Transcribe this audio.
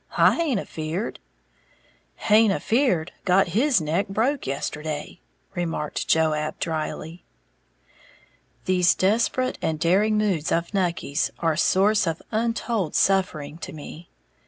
I haint afeared!" "Haint afeared got his neck broke yesterday," remarked Joab, drily. These desperate and daring moods of Nucky's are source of untold suffering to me.